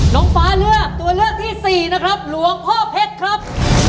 น้องฟ้าเลือกตัวเลือกที่สี่นะครับหลวงพ่อเพชรครับ